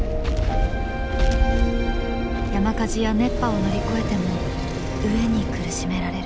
山火事や熱波を乗り越えても飢えに苦しめられる。